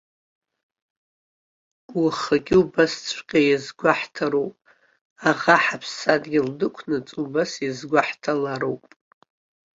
Уахагьы убасҵәҟьа иазгәаҳҭароуп, аӷа ҳаԥсадгьыл дықәнаҵы убас иазгәаҳҭалароуп.